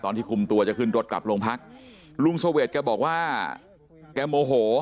ที่คุมตัวจะขึ้นรถกลับโรงพักลุงเสวดแกบอกว่าแกโมโห